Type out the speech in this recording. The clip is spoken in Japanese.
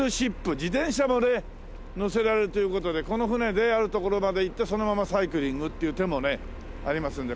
自転車も乗せられるという事でこの船である所まで行ってそのままサイクリングっていう手もねありますんで。